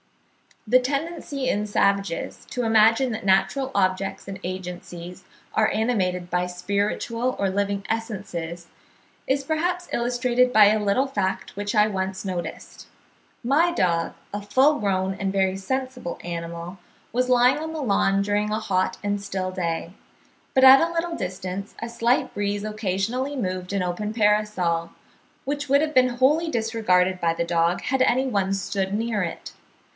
The tendency in savages to imagine that natural objects and agencies are animated by spiritual or living essences, is perhaps illustrated by a little fact which I once noticed: my dog, a full grown and very sensible animal, was lying on the lawn during a hot and still day; but at a little distance a slight breeze occasionally moved an open parasol, which would have been wholly disregarded by the dog, had any one stood near it.